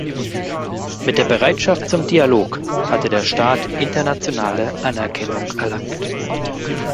Mit der Bereitschaft zum Dialog hatte der Staat internationale Anerkennung erlangt.